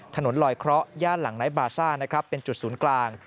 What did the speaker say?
ถนนลอยเคราะห์ย่านหลังน้ายบาซ่าเป็นจุดศูนย์กลาง